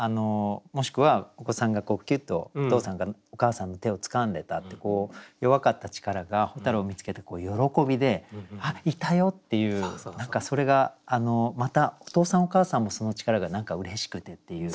もしくはお子さんがこうキュッとお父さんかお母さんの手をつかんでたって弱かった力が蛍を見つけた喜びで「あっいたよ！」っていう何かそれがまたお父さんお母さんもその力が何かうれしくてっていう。